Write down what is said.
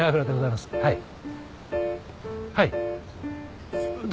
はい。